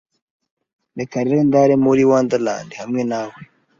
Reka rero ndare muri wonderland hamwe nawe